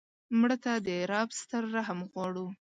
مړه ته د رب ستر رحم غواړو